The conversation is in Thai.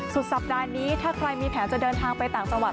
สุดสัปดาห์นี้ถ้าใครมีแผนจะเดินทางไปต่างจังหวัด